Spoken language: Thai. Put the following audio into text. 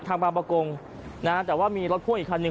บางประกงนะฮะแต่ว่ามีรถพ่วงอีกคันหนึ่ง